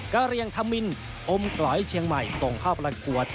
เรียงธมินอมกลอยเชียงใหม่ส่งเข้าประกวด